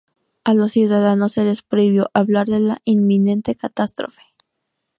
A los ciudadanos se les prohibió hablar de la inminente catástrofe.